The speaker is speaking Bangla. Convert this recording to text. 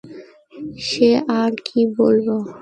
সে আর কী বলব!